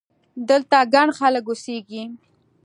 دلته ګڼ خلک اوسېږي!